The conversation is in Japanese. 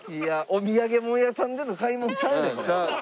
お土産物屋さんでの買い物ちゃうねん。